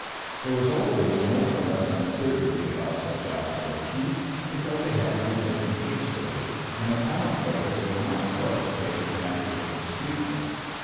There was always more or less uncertainty about such observations, because they had to be taken hastily, and the camoufleurs were not slow to take advantage of this weakness.